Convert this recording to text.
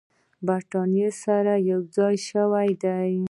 برېتانيا سره یو شان دي.